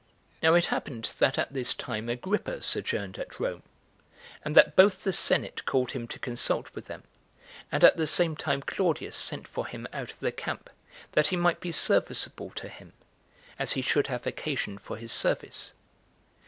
2. Now it happened that at this time Agrippa sojourned at Rome, and that both the senate called him to consult with them, and at the same time Claudius sent for him out of the camp, that he might be serviceable to him, as he should have occasion for his service.